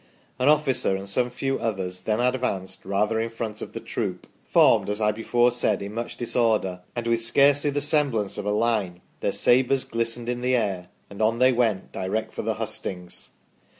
An officer and some few others then advanced rather in front of the troop, formed, as I before said, in much disorder, and with scarcely the semblance of a line, their sabres glistened in the air, and on they went direct for the hustings.